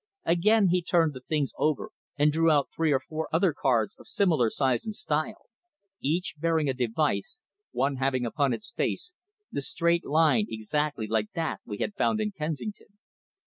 Again he turned the things over and drew out three or four other cards of similar size and style, each bearing a device, one having upon its face the straight line exactly like that we had found in Kensington.